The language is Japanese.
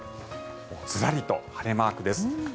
ずらりと晴れマークです。